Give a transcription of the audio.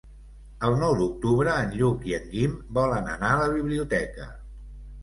El nou d'octubre en Lluc i en Guim volen anar a la biblioteca.